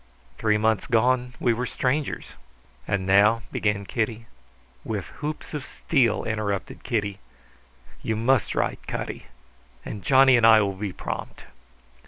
"Three months gone we were strangers." "And now " began Cutty. "With hoops of steel!" interrupted Kitty. "You must write, Cutty, and Johnny and I will be prompt."